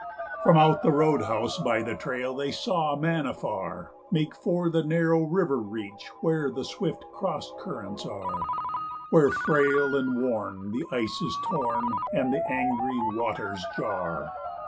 From out the road house by the trail they saw a man afar Make for the narrow river reach where the swift cross currents are; Where, frail and worn, the ice is torn and the angry waters jar.